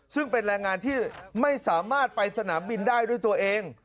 ซึ่งเป็นแรงงานที่ไม่สามารถไปสนามบินได้ด้วยตัวเอง